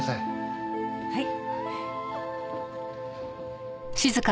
はい。